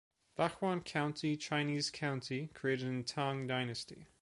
Bachuan County, Chinese County created in Tang Dynasty.